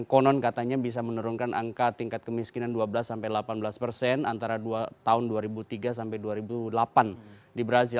konon katanya bisa menurunkan angka tingkat kemiskinan dua belas sampai delapan belas persen antara tahun dua ribu tiga sampai dua ribu delapan di brazil